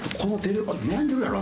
悩んでるやろ？